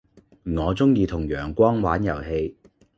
我鐘意同陽光玩遊戲